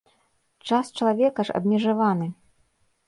Час чалавека ж абмежаваны.